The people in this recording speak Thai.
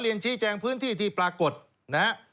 เรียนชี้แจงพื้นที่ที่ปรากฏนะฮะ